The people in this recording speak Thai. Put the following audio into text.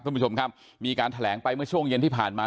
คุณผู้ชมครับมีการแถลงไปเมื่อช่วงเย็นที่ผ่านมา